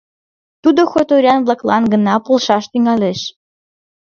Тудо хуторян-влаклан гына полшаш тӱҥалеш!